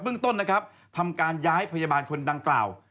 เรื่องต้นนะครับทำการย้ายพยาบาลคนดังกล่าว